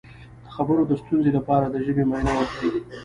د خبرو د ستونزې لپاره د ژبې معاینه وکړئ